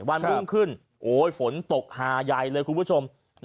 วันวื้งขึ้นโอ๊ยฝนตกหายายเลยคุณผู้ชม